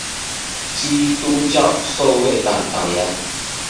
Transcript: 基督教社会党党员。